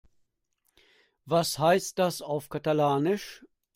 Was heißt das auf Katalanisch?